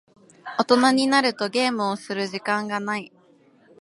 大人になるとゲームをする時間がない。